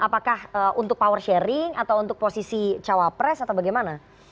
apakah untuk power sharing atau untuk posisi cawapres atau bagaimana